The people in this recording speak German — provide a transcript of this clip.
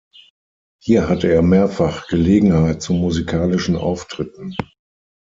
Hier hatte er mehrfach Gelegenheit zu musikalischen Auftritten.